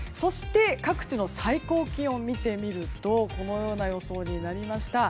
各地の最高気温を見てみるとこのような予想になりました。